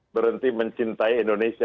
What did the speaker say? berhenti mencintai indonesia